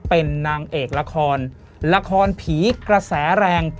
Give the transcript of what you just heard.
เป็นนางเอกละครละครผีกระแสแรง